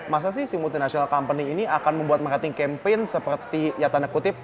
masa sih si multinational company ini akan membuat marketing campaign seperti ya tanda kutip